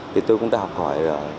thì tôi cũng đã học hỏi